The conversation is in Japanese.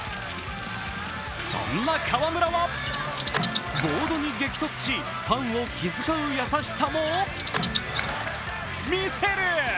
そんな河村は、ボードに激突しファンを気遣う優しさも見せる！